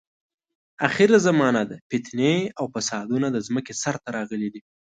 اخره زمانه ده، فتنې او فسادونه د ځمکې سر ته راغلي دي.